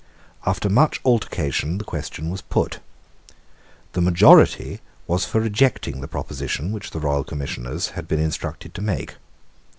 After much altercation the question was put. The majority was for rejecting the proposition which the royal Commissioners had been instructed to make.